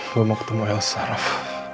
gue mau ketemu elsa raff